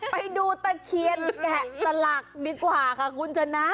ไปดูตะเคียนแกะสลักดีกว่าค่ะคุณชนะ